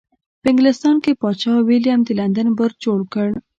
په انګلستان کې پادشاه ویلیم د لندن برج جوړ کړ.